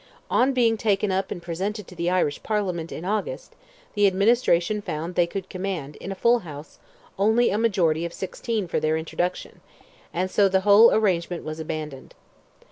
On being taken up and presented to the Irish Parliament, in August, the administration found they could command, in a full House, only a majority of sixteen for their introduction, and so the whole arrangement was abandoned.